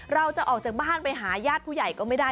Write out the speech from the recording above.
เราจะออกจากบ้านไปหาญาติผู้ใหญ่ก็ไม่ได้